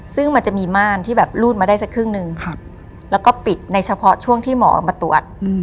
ซึ่งมันจะมีม่านที่แบบรูดมาได้สักครึ่งหนึ่งแล้วก็ปิดในเฉพาะช่วงที่หมอมาตรวจ